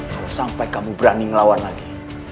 kalau sampai kamu berani ngelawan lagi